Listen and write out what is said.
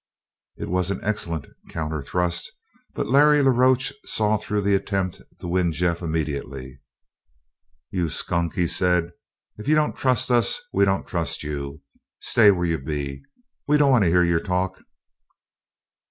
It was an excellent counterthrust, but Larry la Roche saw through the attempt to win Jeff immediately. "You skunk!" he said. "If you don't trust us we don't trust you. Stay where you be. We don't want to hear your talk!"